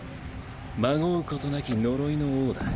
紛うことなき呪いの王だ。